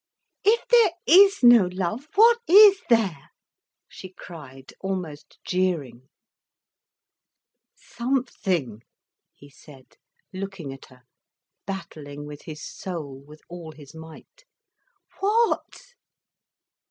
"If there is no love, what is there?" she cried, almost jeering. "Something," he said, looking at her, battling with his soul, with all his might. "What?"